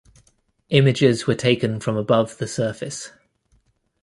Images were taken from above the surface.